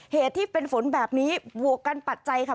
เหตุที่เป็นฝนแบบนี้บวกกันปัจจัยค่ะ